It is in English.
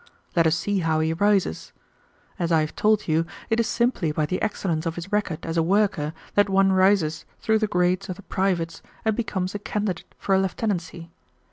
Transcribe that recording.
Let us see how he rises. As I have told you, it is simply by the excellence of his record as a worker that one rises through the grades of the privates and becomes a candidate for a lieutenancy.